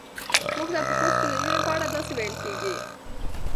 موږ ته په کورس کې د نجونو په اړه داسې ویل کېږي.